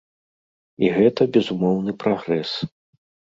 І гэта безумоўны прагрэс.